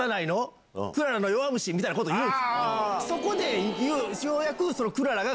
そこで。